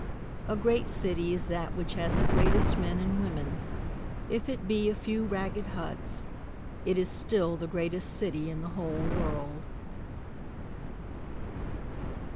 A great city is that which has the greatest men and women, If it be a few ragged huts it is still the greatest city in the whole world.